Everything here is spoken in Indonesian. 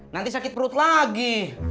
nanti sakit perut lagi